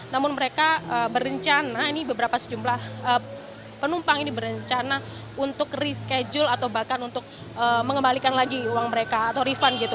namun mereka berencana ini beberapa sejumlah penumpang ini berencana untuk reschedule atau bahkan untuk mengembalikan lagi uang mereka atau refund gitu